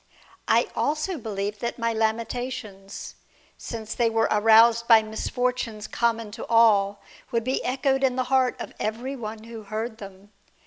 I also believed that my lamentations, since they were aroused by misfortunes common to all, would be echoed in the heart of every one who heard them.